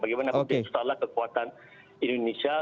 bagaimana mungkin salah kekuatan indonesia